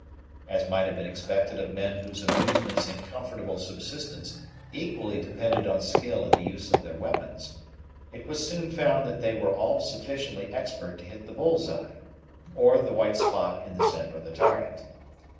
As might have been expected of men whose amusements and comfortable subsistence equally depended on skill in the use of their weapons, it was soon found that they were all sufficiently expert to hit the bull's eye, or the white spot in the centre of the target.